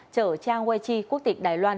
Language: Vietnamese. chở trang wei chi quốc tịch đài loan